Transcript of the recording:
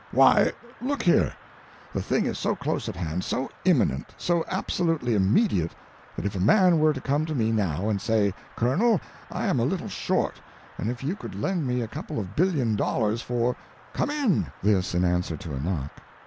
Why, look here; the thing is so close at hand, so imminent, so absolutely immediate, that if a man were to come to me now and say, Colonel, I am a little short, and if you could lend me a couple of billion dollars for—come in!" This in answer to a knock.